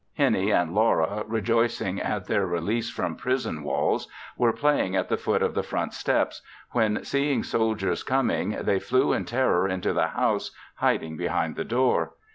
Hennie and Laura, rejoicing at their release from prison walls, were playing at the foot of the front steps, when seeing soldiers coming, they flew in terror into the house hiding behind the door.